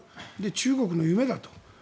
中国の夢だと。